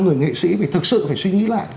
người nghệ sĩ thực sự phải suy nghĩ lại